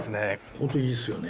本当にいいですよね。